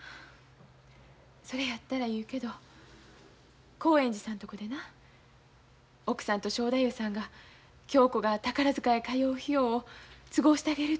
それやったら言うけど興園寺さんとこでな奥さんと正太夫さんが恭子が宝塚へ通う費用を都合してあげるて言うてくれてはるんや。